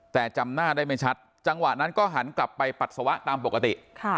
แต่จำหน้าได้ไม่ชัดจังหวะนั้นก็หันกลับไปปัสสาวะตามปกติ